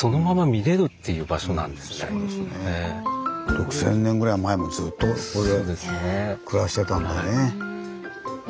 ６，０００年ぐらい前もずっとここで暮らしてたんだね。